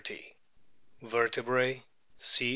Vertebrae: C.